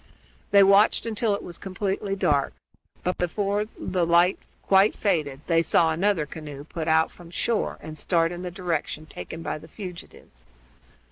They watched until it was completely dark; but, before the light quite faded, they saw another canoe put out from shore and start in the direction taken by the fugitives.